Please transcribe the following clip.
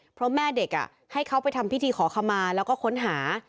เพราะแม่เด็กให้เขาไปทำพิธีขอขมาแล้วก็ค้นหา